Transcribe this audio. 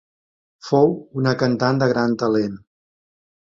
Fou una cantant de gran talent.